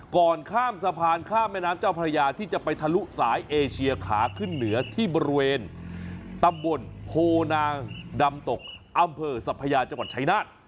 ก่อนข้ามสะพานข้ามแม่น้ำเจ้าพระยาที่จะไปทะลุสายเอเชียขาขึ้นเหนือที่บริเวณตำบลโพนางดำตกอำเภอสัพยาจังหวัดชายนาฏ